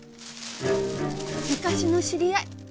昔の知り合い。